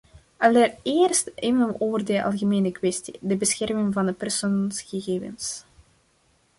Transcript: Allereerst even over de algemene kwestie, de bescherming van persoonsgegevens.